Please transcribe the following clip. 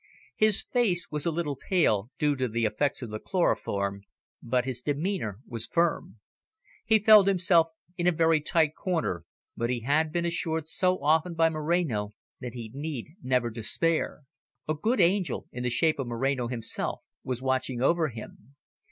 His face was a little pale, due to the effects of the chloroform, but his demeanour was firm. He felt himself in a very tight corner, but he had been assured so often by Moreno that he need never despair. A good angel, in the shape of Moreno himself, was watching over him.